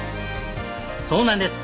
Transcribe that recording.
そうなんです！